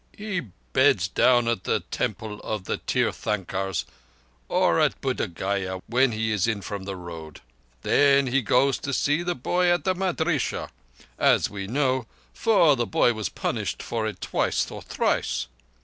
"He beds down at the Temple of the Tirthankars or at Buddh Gaya when he is in from the Road. Then he goes to see the boy at the madrissah, as we know for the boy was punished for it twice or thrice.